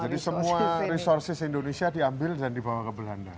jadi semua resursus indonesia diambil dan dibawa ke belanda